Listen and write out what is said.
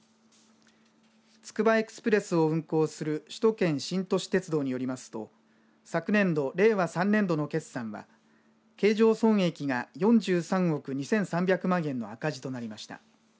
つくばエクスプレスを運行する首都圏新都市鉄道によりますと昨年度、令和３年度の決算は経常損益が４３億２３００万円の赤字となりました。